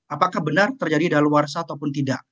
apakah benar terjadi daluarsa ataupun tidak